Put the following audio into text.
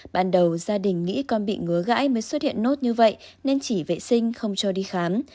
ban đầu gia đình nghĩ con bị ngứa gãi mới xuất hiện nốt như vậy nên chỉ vệ sinh không cho đi khám